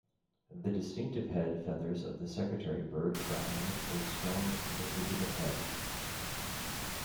The distinctive head feathers of the secretary bird crown a strong and vigilant head.